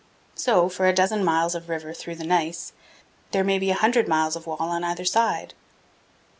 So, for a dozen miles of river through the gneiss, there may be a hundred miles of wall on either side.